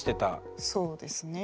そうですね。